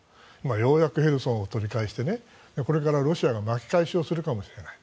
ようやくヘルソンを取り返してこれからロシアが巻き返しをするかもしれない。